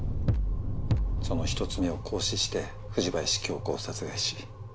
その１つ目を行使して藤林経子を殺害し。